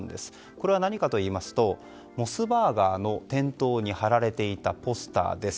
これは何かといいますとモスバーガーの店頭に貼られていたポスターです。